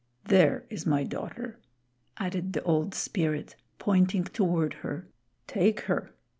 There is my daughter," added the Old Spirit, pointing toward her. "Take her.